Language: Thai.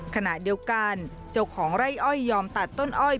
ขณะเดียวกันเจ้าของไร่อ้อยยอมตัดต้นอ้อย